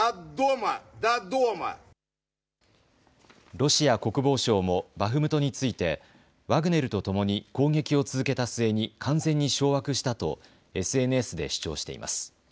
ロシア国防省もバフムトについてワグネルとともに攻撃を続けた末に完全に掌握したとＳＮＳで主張しています。